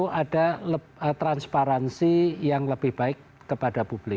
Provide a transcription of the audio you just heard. perlu ada transparansi yang lebih baik kepada publik